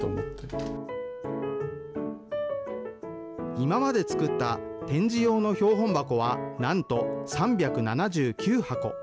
今まで作った展示用の標本箱はなんと３７９箱。